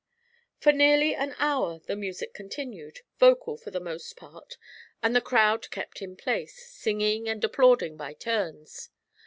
For nearly an hour the music continued, vocal for the most part, and the crowd kept in place, singing and applauding by turns.